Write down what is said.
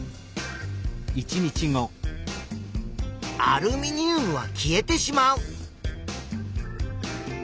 アルミニウムは消えてしまう。